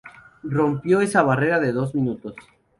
Rompió esa barrera de dos minutos.